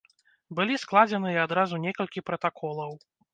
Былі складзеныя адразу некалькі пратаколаў.